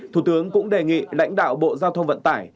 thủ tướng cũng đề nghị lãnh đạo bộ giao thông vận tải